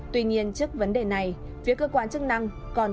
tuy nhiên trước vấn đề này phía cơ quan chức năng còn